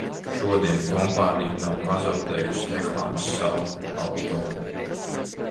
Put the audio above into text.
Šodien kompānija nav pazaudējusi reklāmas saukļu autoru.